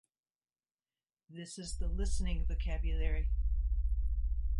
This is the listening vocabulary.